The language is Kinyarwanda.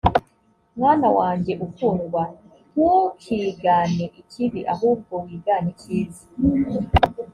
mwana wanjye ukundwa ntukigane ikibi ahubwo w gane icyiza